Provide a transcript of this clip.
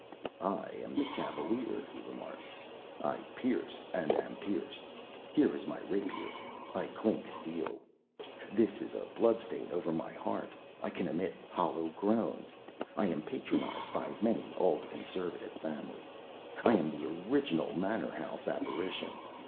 "I am the cavalier," he remarked. "I pierce and am pierced. Here is my rapier. I clink steel. This is a blood stain over my heart. I can emit hollow groans. I am patronized by many old Conservative families. I am the original manor house apparition.